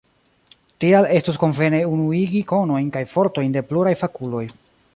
Tial estus konvene unuigi konojn kaj fortojn de pluraj fakuloj.